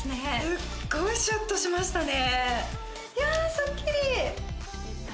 すっごいシュッとしましたねやあスッキリ